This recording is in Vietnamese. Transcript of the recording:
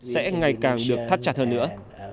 sẽ ngày càng được thắt chặt hơn nữa